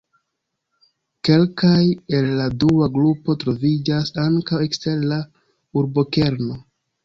Kelkaj el la dua grupo troviĝas ankaŭ ekster la urbokerno.